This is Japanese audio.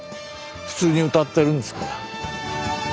普通に歌ってるんですから。